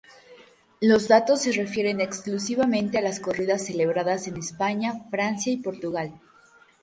Los datos se refieren exclusivamente a las corridas celebradas en España, Francia y Portugal.